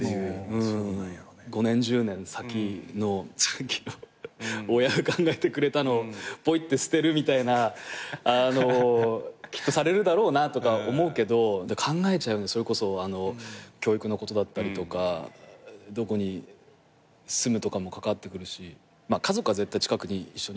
５年１０年先の親が考えてくれたのをポイって捨てるみたいなきっとされるだろうなとか思うけど考えちゃうそれこそ教育のことだったりとかどこに住むとかも関わってくるし家族は絶対近くに一緒にいた方がいいと思うけど。